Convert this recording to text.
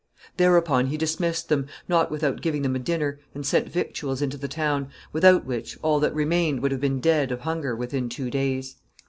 Thereupon he dismissed them, not without giving them a dinner, and sent victuals into the town; without which, all that remained would have been dead of hunger within two days.